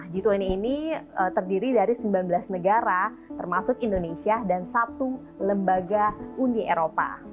g dua puluh ini terdiri dari sembilan belas negara termasuk indonesia dan satu lembaga uni eropa